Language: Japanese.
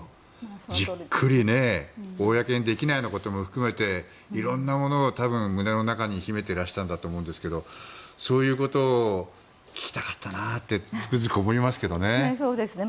じっくりね公にできないようなことも含めていろんなものを多分胸の中に秘めていらしたと思うんですけどそういうことを聞きたかったなってつくづく思いますけどね。